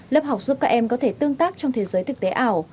lớp học giúp các em có thể tương tác trong thế giới thực tế ảo